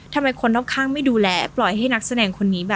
ทำไมคนรอบข้างไม่ดูแลปล่อยให้นักแสดงคนนี้แบบ